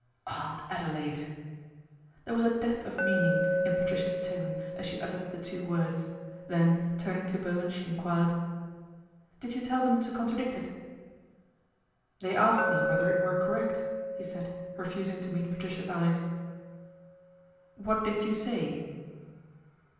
" Aunt Adelaide !" There was a depth of meaning in Patricia's tone as she uttered the two words, then turning to Bo wen she enquired, " Did you tell them to contradict it ?"" They asked me whether it were correct," he said, refusing to meet Patricia's eyes. " What did you say